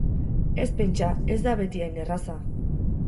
Ez pentsa, ez da beti hain erraza.